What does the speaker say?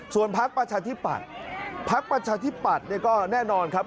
ส่วนพักประชาธิปัตรพักประชาธิปัตรก็แน่นอนครับ